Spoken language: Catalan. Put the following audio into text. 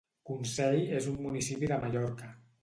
Consell és un municipi de Mallorca.